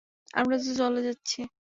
আমরা তো চলে যাচ্ছি।